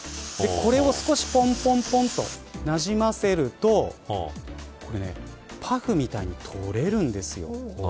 これを少しぽんぽんとなじませるとパフみたいに取れるんです。